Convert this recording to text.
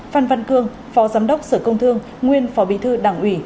phan văn cương phó giám đốc sở công thương nguyên phó bí thư đảng ủy